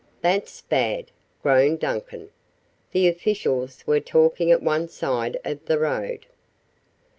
"That's bad!" groaned Duncan. The officials were talking at one side of the road.